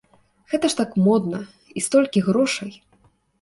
Гэта ж так модна і столькі грошай!